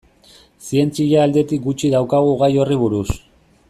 Zientzia aldetik gutxi daukagu gai horri buruz.